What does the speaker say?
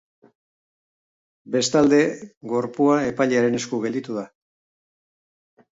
Bestalde, gorpua epailearen esku gelditu da.